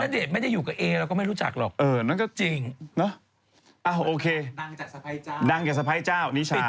ถ้านเดชน์ไม่ได้อยู่กับเอเราก็ไม่รู้จักหรอกจริงนะโอเคดังจากสะพายเจ้านิชา